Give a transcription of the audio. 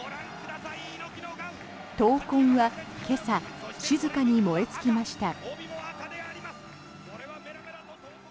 闘魂は今朝、静かに燃え尽きました。